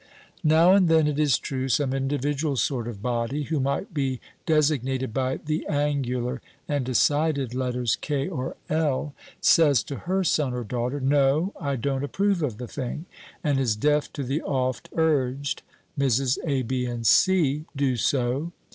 Now and then, it is true, some individual sort of body, who might be designated by the angular and decided letters K or L, says to her son or daughter, "No. I don't approve of the thing," and is deaf to the oft urged, "Mrs. A., B., and C. do so."